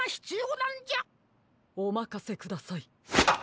おまかせください。